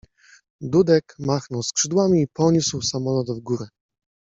Dudek machnął skrzydłami i poniósł samolot w górę.